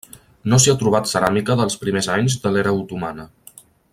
No s'hi ha trobat ceràmica dels primers anys de l'era otomana.